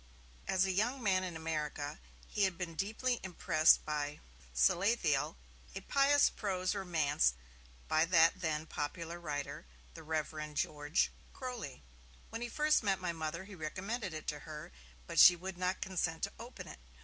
As a young man in America, he had been deeply impressed by 'Salathiel', a pious prose romance by that then popular writer, the Rev. George Croly. When he first met my Mother, he recommended it to her, but she would not consent to open it.